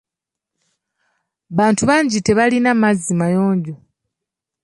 Bantu bangi tebalina mazzi mayonjo.